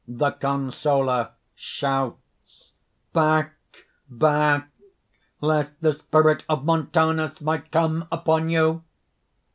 _) THE CONSOLER (shouts). "Back! back! lest the spirit of Montanus might come upon you."